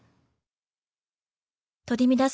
取り乱す